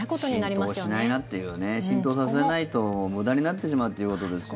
浸透しないなっていう浸透させないと無駄になってしまうっていうことですよね。